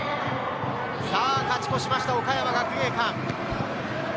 勝ち越しました、岡山学芸館。